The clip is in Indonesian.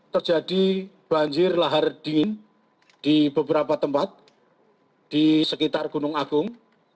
terjadi banjir lahar dingin di beberapa tempat di sekitar gunung agung